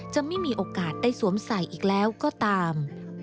จะไม่มีโอกาสได้สวมใส่อีกแล้วก็ตาม